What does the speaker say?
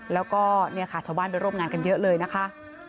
แล้วก็ชาวบ้านไปร่วมงานกันเยอะเลยนะคะ